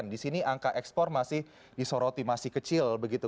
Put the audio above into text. di sini angka ekspor masih disoroti masih kecil begitu